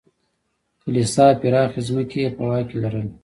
کلیسا پراخې ځمکې یې په واک کې لرلې.